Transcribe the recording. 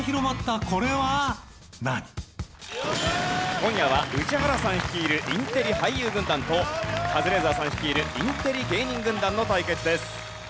今夜は宇治原さん率いるインテリ俳優軍団とカズレーザーさん率いるインテリ芸人軍団の対決です。